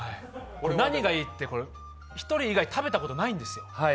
何がいって、これ、１人以外食べたことないんですよ。